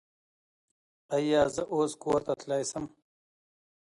ایا زه اوس کور ته تلی شم؟